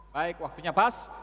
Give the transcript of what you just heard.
baik waktunya pas